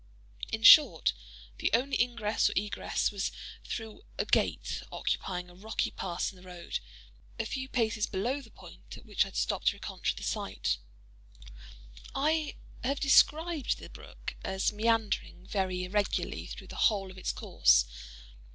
In short, the only ingress or egress was through a gate occupying a rocky pass in the road, a few paces below the point at which I stopped to reconnoitre the scene. I have described the brook as meandering very irregularly through the whole of its course.